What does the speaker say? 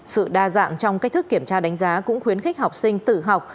sự đa dạng trong cách thức kiểm tra đánh giá cũng khuyến khích học sinh tự học